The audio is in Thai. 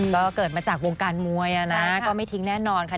ก็เกิดมาจากวงการมวยนะก็ไม่ทิ้งแน่นอนค่ะ